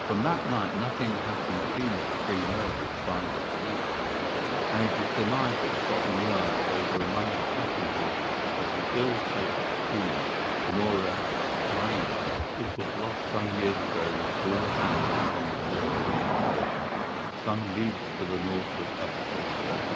From that night nothing has been seen of the three murderers by the police, and it is surmised at Scotland Yard that they were among the passengers of the ill fated steamer Norah Creina, which was lost some years ago with all hands upon the Portuguese coast, some leagues to the north of Oporto.